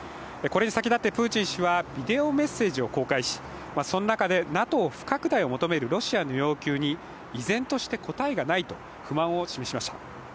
これに先立ってプーチン氏はビデオメッセージを公開しその中でＮＡＴＯ不拡大を求めるロシアの要求に依然として答えがないと不満を示しました。